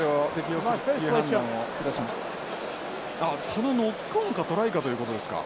このノックオンかトライかということですか？